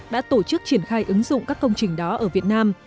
đã tổ chức triển khai ứng dụng các công trình đó ở việt nam